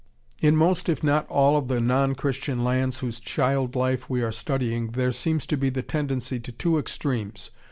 In most if not all of the non Christian lands whose child life we are studying there seems to be the tendency to two extremes.